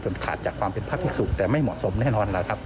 ขาดจากความเป็นพระภิกษุแต่ไม่เหมาะสมแน่นอนแล้วครับ